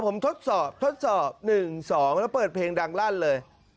เออผมเทสลำโพงอ่ะผมทดสอบ๑๒แล้วเปิดเพลงดังลั่นเลย